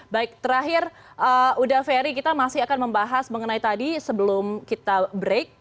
baik terakhir uda ferry kita masih akan membahas mengenai tadi sebelum kita break